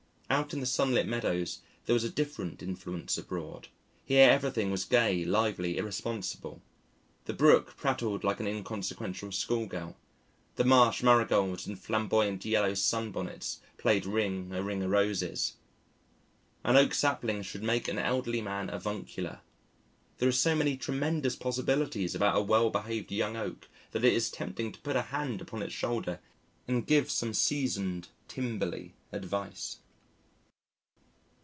Out in the sunlit meadows, there was a different influence abroad. Here everything was gay, lively, irresponsible. The brook prattled like an inconsequential schoolgirl. The Marsh Marigolds in flamboyant yellow sunbonnets played ring a ring a roses. An Oak Sapling should make an elderly man avuncular. There are so many tremendous possibilities about a well behaved young oak that it is tempting to put a hand upon its shoulder and give some seasoned, timberly advice.